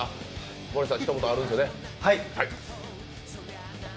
盛田さん、ひと言あるんですよね。